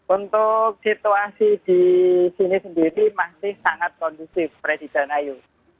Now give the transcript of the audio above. untuk situasi di sini sendiri masih sangat kondusif presiden ayu